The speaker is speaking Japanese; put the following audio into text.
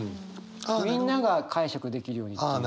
みんなが解釈できるようにっていう。